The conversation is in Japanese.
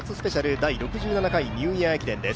第６７回ニューイヤー駅伝です。